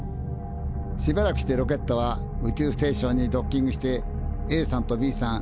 しばらくしてロケットは宇宙ステーションにドッキングしてＡさんとＢさん